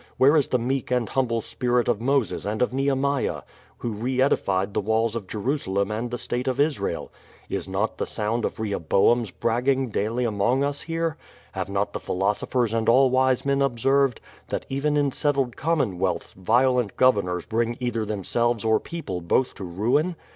Where is the meek and humble spirit of Moses and of Nehemiah, who re edified the walls of Jerusalem and the state of Israel? Is not the sound of Rehoboam's bragging daily among us here? Have not the philosophers and all wise men observed, that even in settled commonwealths violent governors bring either themselves or people or both to ruin?